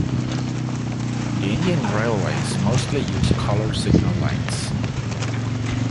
The Indian Railways mostly use colour signal lights.